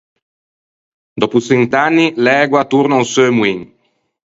Dòppo çent’anni l’ægua a torna a-o seu moin.